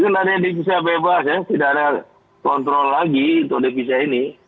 tidak ada devisa bebas ya tidak ada kontrol lagi untuk devisa ini